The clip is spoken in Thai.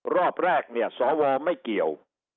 รอบแรกเนี่ยสวไม่เกี่ยว